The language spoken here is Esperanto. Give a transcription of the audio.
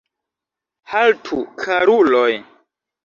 Haltu, karuloj!